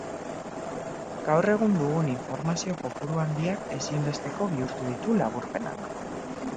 Gaur egun dugun informazio kopuru handiak ezinbesteko bihurtu ditu laburpenak.